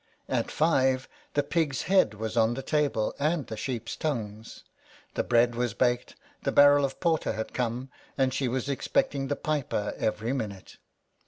At five the pig's head was on the table, and the sheep's tongues ; the bread was baked ; the barrel of porter had come, and she was expecting the piper every minute.